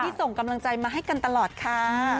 ส่งกำลังใจมาให้กันตลอดค่ะ